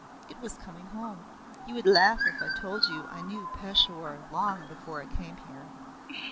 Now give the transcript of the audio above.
It was coming home. You would laugh if I told you I knew Peshawar long before I came here.